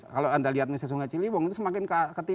kalau anda lihat misalnya sungai ciliwung itu semakin ke atas gitu ya